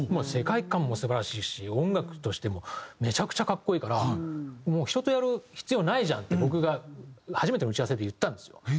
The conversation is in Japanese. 世界観も素晴らしいし音楽としてもめちゃくちゃ格好いいから「もう人とやる必要ないじゃん」って僕が初めての打ち合わせで言ったんですよ。